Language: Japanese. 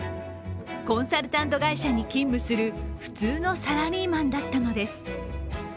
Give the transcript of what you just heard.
コンサルタント会社に勤務する普通のサラリーマンだったのです。